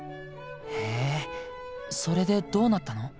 へぇそれでどうなったの？